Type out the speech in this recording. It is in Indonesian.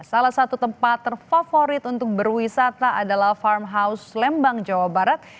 salah satu tempat terfavorit untuk berwisata adalah farm house lembang jawa barat